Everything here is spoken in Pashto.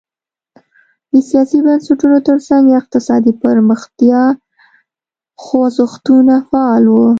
د سیاسي بنسټونو ترڅنګ اقتصادي پرمختیا خوځښتونه فعال وو.